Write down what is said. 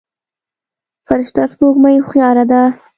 فرشته سپوږمۍ هوښياره ده.